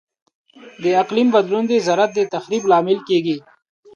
د اقلیم بدلون د زراعت د تخریب لامل کیږي.